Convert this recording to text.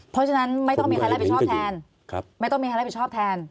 เพราะฉะนั้นไม่ต้องมีใครรับผิดชอบแทนไม่ต้องมีใครรับผิดชอบแทน